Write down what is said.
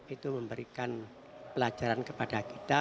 itu memberikan pelajaran kepada kita